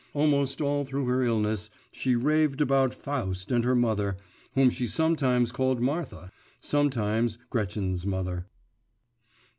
Almost all through her illness, she raved about Faust and her mother, whom she sometimes called Martha, sometimes Gretchen's mother.